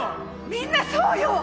みんなそうよ！